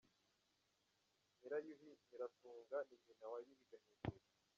Nyirayuhi Nyiratunga ni nyina wa Yuhi Gahindiro.